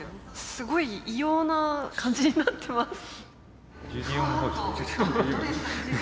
すごい異様な感じになってます。